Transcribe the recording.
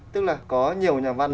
tức là có nhiều nhà văn